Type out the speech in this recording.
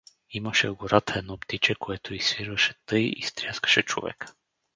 Имаше в гората едно птиче, което изсвирваше тъй и стряскаше човека.